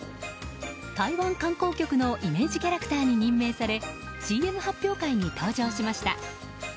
台湾観光局のイメージキャラクターに任命されＣＭ発表会に登場しました。